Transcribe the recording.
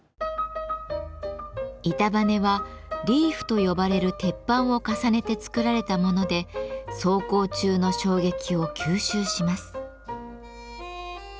「板バネ」は「リーフ」と呼ばれる鉄板を重ねて作られたもので走行中の衝撃を吸収します。